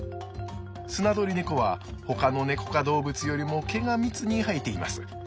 スナドリネコはほかのネコ科動物よりも毛が密に生えています。